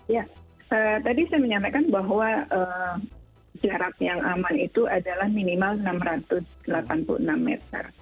ya tadi saya menyampaikan bahwa jarak yang aman itu adalah minimal enam ratus delapan puluh enam meter